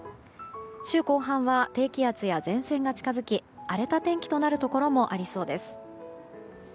週後半は低気圧や前線が近づき荒れた天気となるところもありそうです。